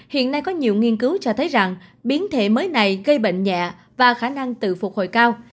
hiện nay có nhiều nghiên cứu cho thấy rằng biến thể mới này gây bệnh nhẹ và khả năng tự phục hồi cao